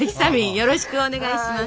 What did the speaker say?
よろしくお願いします。